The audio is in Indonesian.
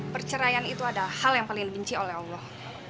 perceraian itu adalah hal yang paling dibenci oleh allah